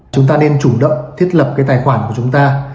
chúng ta nên chủ động thiết lập cái tài khoản của chúng ta